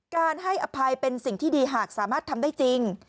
การให้อภัยเป็นสิ่งที่ดีหากสามารถทำได้จริง